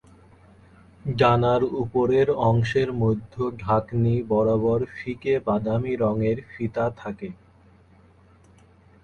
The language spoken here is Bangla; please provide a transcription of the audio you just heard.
ডানার উপরের অংশের মধ্য-ঢাকনি বরাবর ফিকে বাদামি রঙের ফিতা থাকে।